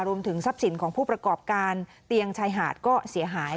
รวมถึงทรัพย์สินของผู้ประกอบการเตียงชายหาดก็เสียหาย